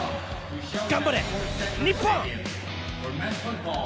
頑張れ、日本！